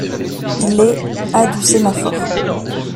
Il est à du sémaphore.